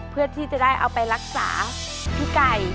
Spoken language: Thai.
เพื่อที่จะได้เอาไปรักษาพี่ไก่